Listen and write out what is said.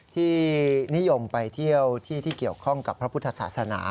ที่นิยมไปเที่ยวที่ที่เกี่ยวข้องกับพระพุทธศาสนา